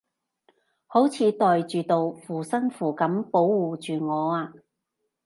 好似袋住道護身符噉保護住我啊